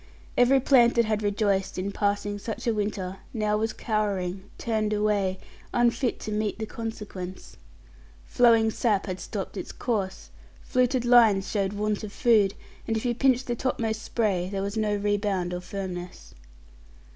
Every plant that had rejoiced in passing such a winter now was cowering, turned away, unfit to meet the consequence. Flowing sap had stopped its course; fluted lines showed want of food, and if you pinched the topmost spray, there was no rebound or firmness.